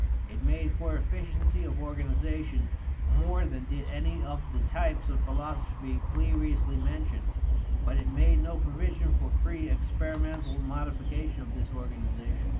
It made for efficiency of organization more than did any of the types of philosophy previously mentioned, but it made no provision for free experimental modification of this organization.